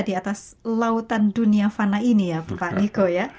di atas lautan dunia fana ini ya bapak niko